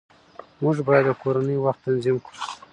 موږ باید د کورنۍ وخت تنظیم کړو